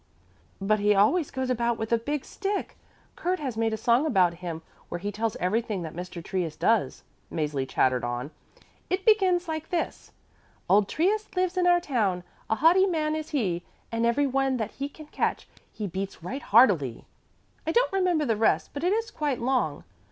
"But he always goes about with a big stick. Kurt has made a song about him where he tells everything that Mr. Trius does," Mäzli chattered on. "It begins like this: Old Trius lives in our town, A haughty man is he, And every one that he can catch He beats right heartily. I don't remember the rest, but it is quite long.